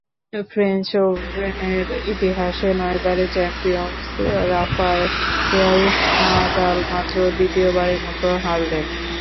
French ওপেনের ইতিহাসে নয়বারের চ্যাম্পিয়নস রাফায়েল নাদাল মাত্র দ্বিতীয়বারের মতো হারলেন।